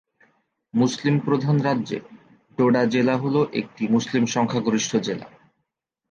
মুসলিম প্রধান রাজ্যে ডোডা জেলা হল একটি মুসলিম সংখ্যাগরিষ্ঠ জেলা।